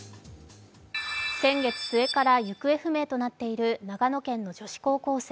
先月末から行方不明となっている長野県の女子高校生。